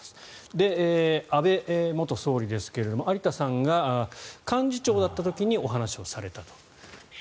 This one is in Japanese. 安倍元総理ですが有田さんが幹事長だった時にお話をされたと。